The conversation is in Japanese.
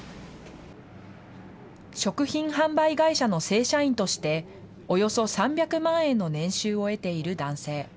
食品販売会社の正社員として、およそ３００万円の年収を得ている男性。